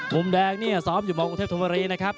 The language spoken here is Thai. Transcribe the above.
มุมแดงนี่สอบอยู่บรรคเทพธุมรีนะครับ